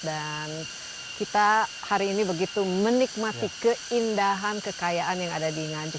dan kita hari ini begitu menikmati keindahan kekayaan yang ada di nganjuk